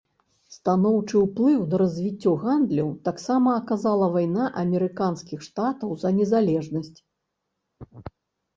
Станоўчы ўплыў на развіццё гандлю таксама аказала вайна амерыканскіх штатаў за незалежнасць.